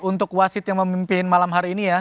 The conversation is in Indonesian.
untuk wasit yang memimpin malam hari ini ya